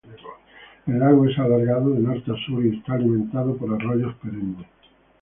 El lago es alargado de norte a sur y es alimentado por arroyos perennes.